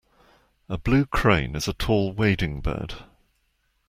A blue crane is a tall wading bird.